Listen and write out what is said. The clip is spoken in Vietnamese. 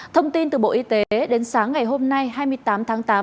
thông tin từ bộ y tế đến sáng ngày hôm nay hai mươi tám tháng tám